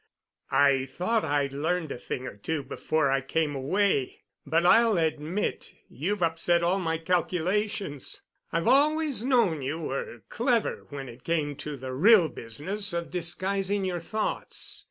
I thought I'd learned a thing or two before I came away, but I'll admit you've upset all my calculations. I've always known you were clever when it came to the real business of disguising your thoughts.